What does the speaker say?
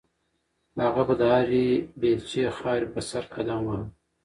هغه به د هرې بیلچې خاورې په سر قدم واهه.